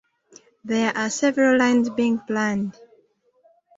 There are several lines being planned.